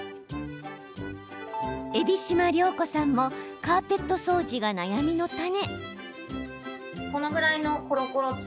海老島諒子さんもカーペット掃除が悩みの種。